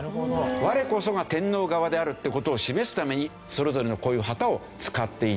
我こそが天皇側であるっていう事を示すためにそれぞれのこういう旗を使っていた。